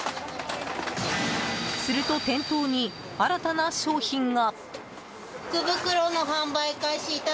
すると、店頭に新たな商品が。